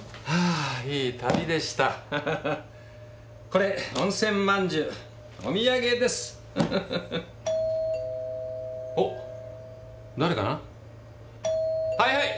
はいはい！